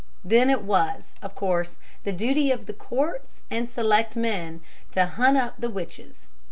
Then it was, of course, the duty of the courts and selectmen to hunt up the witches.